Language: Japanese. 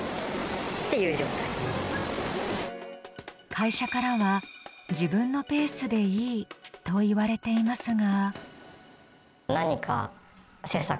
会社からは自分のペースでいいといわれていますが。